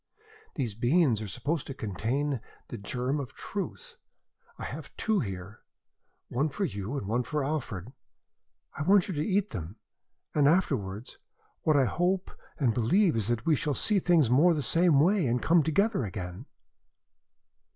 These beans are supposed to contain the germ of Truth. I have 'two here one for you and one for Alfred. I want you to eat them, and afterwards, what I hope and believe is that we shall see things more the same way and come together again."